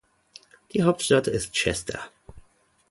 Die Hauptstadt ist Chester.